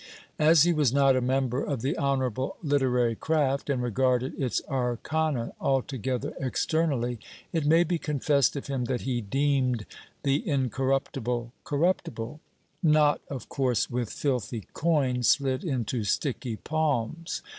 As he was not a member of the honourable literary craft, and regarded its arcana altogether externally, it may be confessed of him that he deemed the Incorruptible corruptible; not, of course, with filthy coin slid into sticky palms.